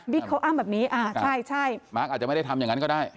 เขาอ้างแบบนี้ใช่มาร์คอาจจะไม่ได้ทำอย่างนั้นก็ได้